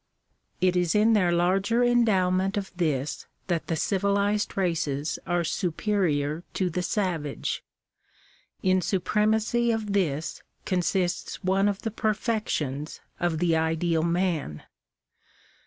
It is in their larger endowment of this that the civilized races are superior to the savage. In supremacy of this consists one of ihfijrerfeotkms of the ideal man.